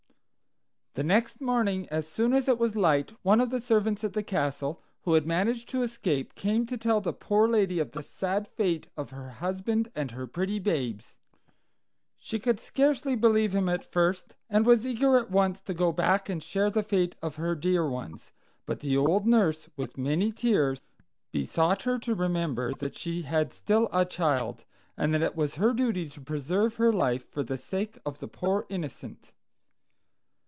"The next morning, as soon as it was light, one of the servants at the castle, who had managed to escape, came to tell the poor lady of the sad fate of her husband and her pretty babes. She could scarcely believe him at first, and was eager at once to go back and share the fate of her dear ones; but the old nurse, with many tears, besought her to remember that she had still a child, and that it was her duty to preserve her life for the sake of the poor innocent.